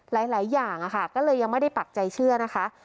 หลายอย่างค่ะก็เลยยังไม่ได้ปักใจเชื่อนะคะ